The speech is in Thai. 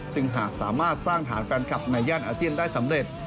ซึ่งหากสามารถสร้างฐานแฟนคลับในย่านอาเซียนได้สำเร็จ